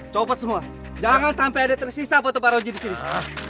copot semua jangan sampai ada yang tersisa foto paroji disini